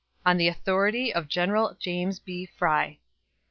(On the authority of General James B. Fry.)